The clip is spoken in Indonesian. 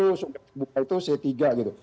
maksud saya itu c tiga gitu